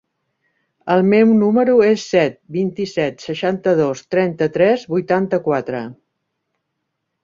El meu número es el set, vint-i-set, seixanta-dos, trenta-tres, vuitanta-quatre.